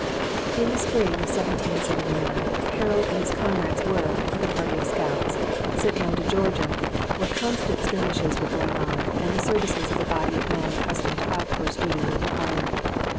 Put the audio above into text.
In the spring of 1779 Harold and his comrades were, with a party of scouts, sent down to Georgia, where constant skirmishes were going on and the services of a body of men accustomed to outpost duty were required.